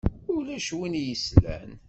Ulac win i s-yeslan.